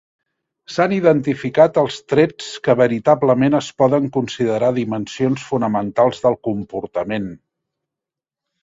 S'han identificar els trets que veritablement es poden considerar dimensions fonamentals del comportament.